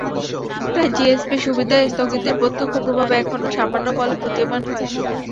তাই জিএসপি সুবিধা স্থগিতের প্রত্যক্ষ প্রভাব এখনো সামান্য বলে প্রতীয়মান হয়।